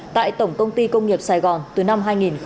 tại tổng công ty công nghiệp sài gòn từ năm hai nghìn một mươi